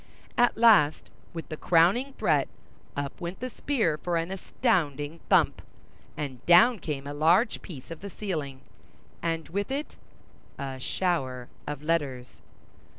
At last, with the crowning threat, up went the spear for an astounding thump, and down came a large piece of the ceiling, and with it—a shower of letters.